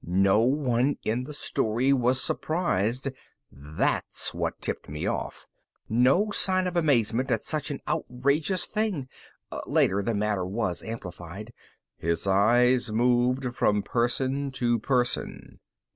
No one in the story was surprised. That's what tipped me off. No sign of amazement at such an outrageous thing. Later the matter was amplified. _... his eyes moved from person to person.